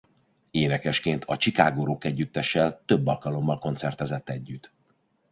Énekesként a Chicago rockegyüttessel több alkalommal koncertezett együtt.